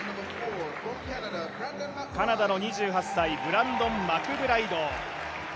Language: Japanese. カナダの２８歳ブランドン・マクブライド。